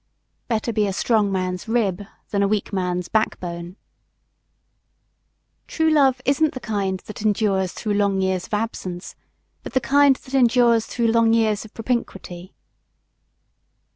Better be a strong man's "rib" than a weak man's "backbone." True love isn't the kind that endures through long years of absence, but the kind that endures through long years of propinquity.